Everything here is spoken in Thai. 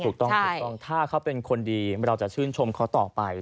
ถูกต้องถูกต้องถ้าเขาเป็นคนดีเราจะชื่นชมเขาต่อไป